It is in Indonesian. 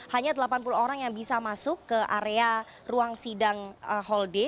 hanya delapan puluh orang yang bisa masuk ke area ruang sidang hall d